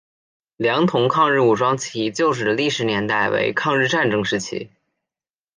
良垌抗日武装起义旧址的历史年代为抗日战争时期。